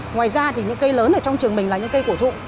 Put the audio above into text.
ngoài ra thì những cây lớn ở trong trường mình là những cây cổ thụ